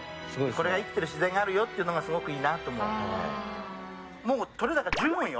これが生きてる自然があるよというのがすごくいいなと思う。